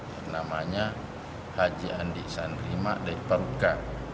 yang namanya haji andi sandrimak dari peruka